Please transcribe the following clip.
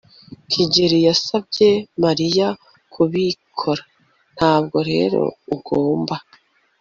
kigeri yasabye mariya kubikora, ntabwo rero ugomba